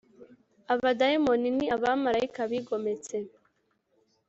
Abadayimoni ni abamarayika bigometse